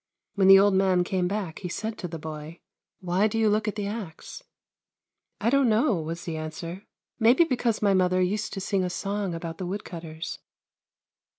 \\'hen the old man came back he said to the boy :" Why do you look at the axe ?"" I don't know," was the answer ;" maybe because my mother used to sing a song about the woodcutters."